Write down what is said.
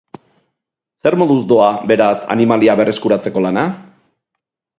Zer moduz doa, beraz, animalia berreskuratzeko lana?